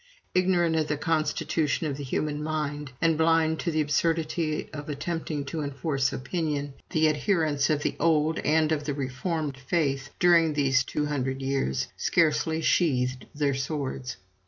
Ignorant of the constitution of the human mind, and blind to the absurdity of attempting to enforce opinion, the adherents of the old and of the reformed faith, during these two hundred years, scarcely sheathed their swords.